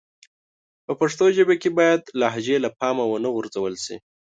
په پښتو ژبه کښي بايد لهجې له پامه و نه غورځول سي.